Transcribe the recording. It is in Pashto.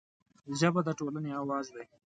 ژبه د ټولنې اواز دی